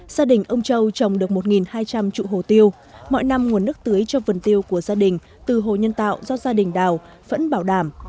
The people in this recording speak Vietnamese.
gia đình ông châu trồng được một hai trăm linh trụ hồ tiêu mọi năm nguồn nước tưới cho vườn tiêu của gia đình từ hồ nhân tạo do gia đình đào vẫn bảo đảm